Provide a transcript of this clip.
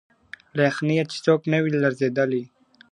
له یخنیه چي څوک نه وي لړزېدلي !.